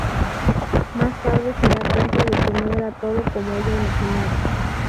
Más tarde se da cuenta de que no era todo como ella imaginaba.